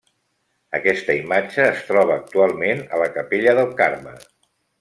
Aquesta imatge es troba actualment a la Capella del Carme.